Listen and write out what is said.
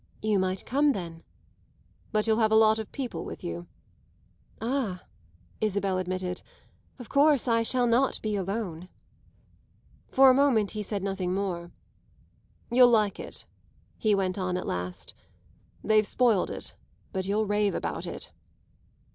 "You might come then." "But you'll have a lot of people with you." "Ah," Isabel admitted, "of course I shall not be alone." For a moment he said nothing more. "You'll like it," he went on at last. "They've spoiled it, but you'll rave about it."